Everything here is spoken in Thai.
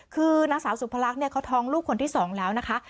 คือนางสาวสุพรรคเนี่ยเขาท้องลูกคนที่สองแล้วนะคะ